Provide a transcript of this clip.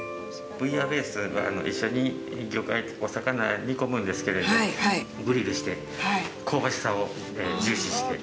ブイヤベースは一緒に魚介、お魚と煮込むんですけれど、グリルして、香ばしさを重視して。